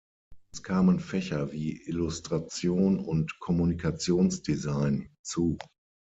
Es kamen Fächer wie Illustration und Kommunikationsdesign hinzu.